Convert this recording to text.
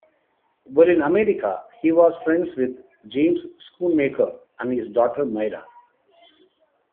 While in America, he was friends with James Schoonmaker, and his daughter Myra.